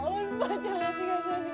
pak jangan tinggalkan ibu